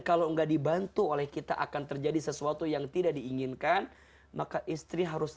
kalau enggak dibantu oleh kita akan terjadi sesuatu yang tidak diinginkan maka istri harus